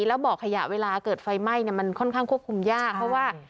แล้วบ่อขยะเวลาเกิดไฟไหม้มันค่อนข้างควบคุมยากเพราะว่า